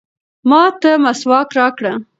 ما ته مسواک راکړه.